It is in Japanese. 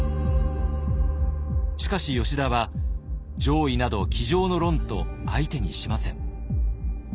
しかし吉田は「攘夷など机上の論」と相手にしません。